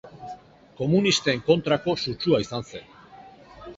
Komunisten kontrako sutsua izan zen.